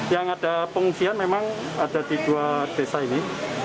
yang ada pengungsian memang ada di dua desa ini